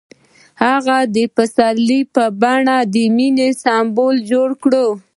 هغه د پسرلی په بڼه د مینې سمبول جوړ کړ.